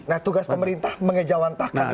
nah tugas pemerintah mengejawantakan itu